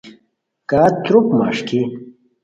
کا تروپ مݰکی